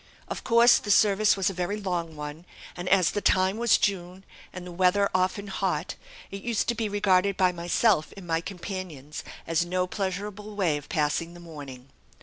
Of course, the service was a very long one, and as the time was June, and the weather often hot, it used to be regarded by myself and my companions as no pleasurable way of passing the morning.